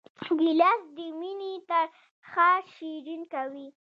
ګیلاس د مینې ترخه شیرین کوي.